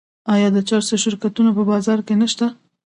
آیا د چرسو شرکتونه په بازار کې نشته؟